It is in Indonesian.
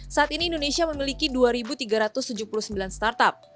saat ini indonesia memiliki dua tiga ratus tujuh puluh sembilan startup